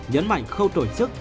nhấn mạnh khâu tổ chức